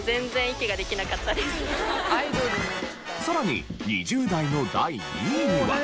さらに２０代の第２位は。